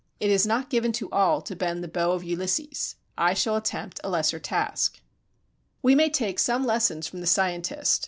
It is not given to all to bend the bow of Ulysses. I shall attempt a lesser task. We may take some lessons from the scientist.